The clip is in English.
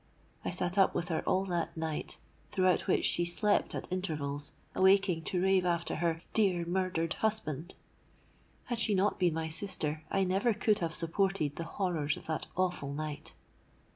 I sate up with her all that night, throughout which she slept at intervals, awaking to rave after her 'dear murdered husband!' Had she not been my sister, I never could have supported the horrors of that awful night.